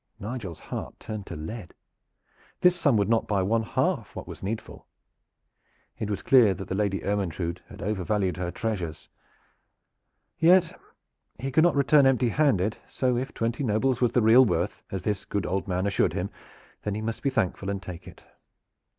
Nigel's heart turned to lead. This sum would not buy one half what was needful. It was clear that the Lady Ermyntrude had overvalued her treasures. Yet he could not return empty handed, so if twenty nobles was the real worth, as this good old man assured him, then he must be thankful and take it.